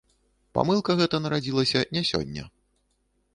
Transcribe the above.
Памылка гэта нарадзілася не сёння.